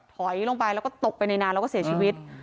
ถอยลงไปแล้วก็ตกไปในนานแล้วก็เสียชีวิต